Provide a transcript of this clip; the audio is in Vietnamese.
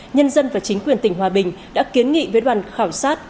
nhân dân và chính quyền tỉnh hòa bình đã kiến nghị với đoàn khảo sát